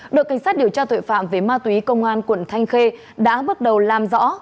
đội cảnh sát điều tra tội phạm về ma túy công an quận thanh khê đã bước đầu làm rõ